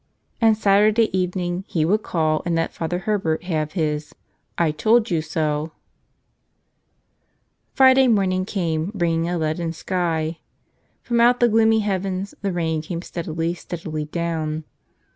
And Saturday evening he would call and let Father Herbert have his "'I told you so !" Friday morning came, bringing a leaden sky. From out the gloomy heavens the rain came steadily, steadily down.